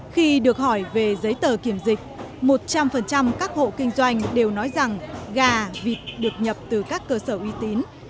khi được hỏi về giấy tờ kiểm dịch một trăm linh các hộ kinh doanh đều nói rằng gà vịt được nhập từ các cơ sở uy tín